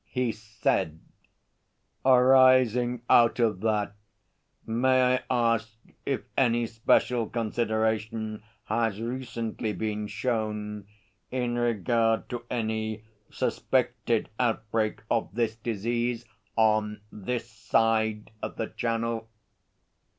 He said: 'Arising out of that, may I ask if any special consideration has recently been shown in regard to any suspected outbreak of this disease on this side of the Channel?'